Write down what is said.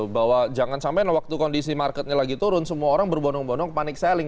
bahwa jangan sampai waktu kondisi marketnya lagi turun semua orang berbonong bondong panik selling